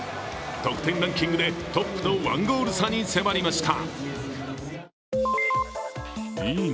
得点ランキングでトップと１ゴール差に迫りました。